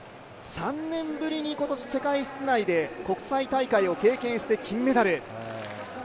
３年ぶりに今年、世界室内で国際大会を経験して金メダル。